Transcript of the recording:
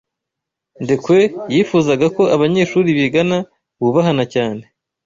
Ndekwe yifuzaga ko abanyeshuri bigana bubahana cyane.